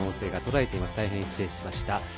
大変失礼しました。